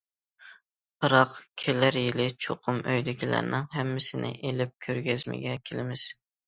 بىراق كېلەر يىلى چوقۇم ئۆيدىكىلەرنىڭ ھەممىسىنى ئېلىپ كۆرگەزمىگە كېلىمىز.